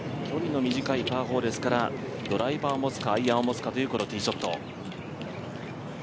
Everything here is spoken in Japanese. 距離の短いパー４ですからドライバーを持つかアイアンを持つかというこのティーショット。